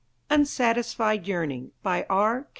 UNSATISFIED YEARNING BY R.